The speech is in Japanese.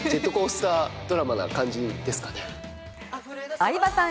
相葉さん